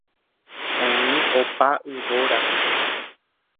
Oĩ opa yvórape.